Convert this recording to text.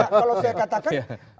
kalau saya katakan